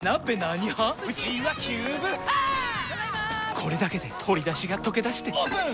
これだけで鶏だしがとけだしてオープン！